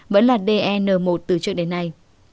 vẫn là dn một từ trước đến nay